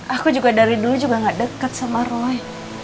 aku juga dari dulu juga gak dekat sama roy